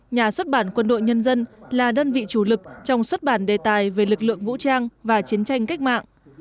nhà xuất bản quân đội nhân dân là đơn vị chủ lực trong xuất bản đề tài về lực lượng vũ trang và chiến tranh cách mạng